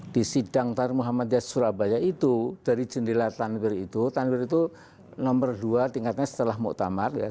di sidang tare muhammadiyah surabaya itu dari jendela tanbir itu tanbir itu nomor dua tingkatnya setelah muqtamar ya